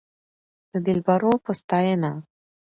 د دلبرو په ستاينه